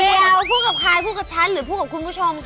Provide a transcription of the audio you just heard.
เดี๋ยวพูดกับใครพูดกับฉันหรือพูดกับคุณผู้ชมค่ะ